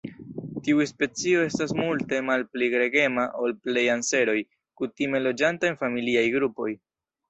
Tiu specio estas multe malpli gregema ol plej anseroj, kutime loĝanta en familiaj grupoj.